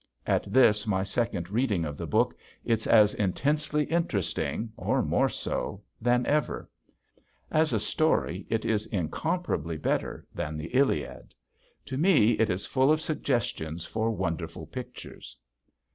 At this my second reading of the book it's as intensely interesting or more so than before. As a story it is incomparably better than the "Iliad." To me it is full of suggestions for wonderful pictures.